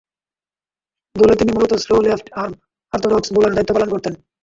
দলে তিনি মূলতঃ স্লো লেফট-আর্ম অর্থোডক্স বোলারের দায়িত্ব পালন করতেন।